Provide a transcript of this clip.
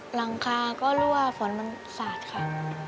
หลังคาก็รั่วฝนมันสาดค่ะ